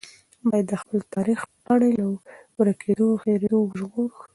باید د خپل تاریخ پاڼې له ورکېدو او هېرېدو وژغورو.